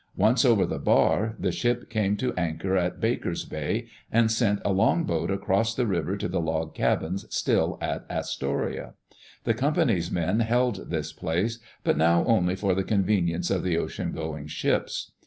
Once over die bar, the ship came to anchor in Baker's Bay, and sent a longboat across the river to the log cabins still at Astoria. The Com pany's men held this place, but now only for the conven ience of the ocean going ships.